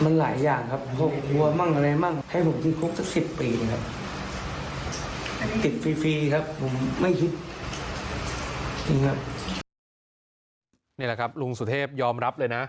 นี่แหละครับลุงสุเทพยอมรับเลยนะ